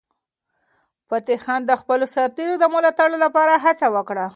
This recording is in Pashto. فتح خان د خپلو سرتیرو د ملاتړ لپاره هڅه وکړه.